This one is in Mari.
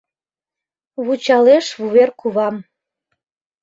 Вучалеш Вувер кувам.